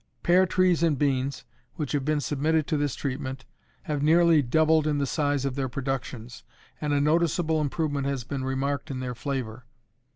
Pear trees and beans, which have been submitted to this treatment, have nearly doubled in the size of their productions, and a noticeable improvement has been remarked in their flavor.